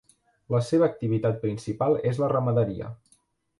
La seva activitat principal és la ramaderia.